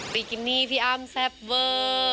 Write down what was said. ิกินี่พี่อ้ำแซ่บเวอร์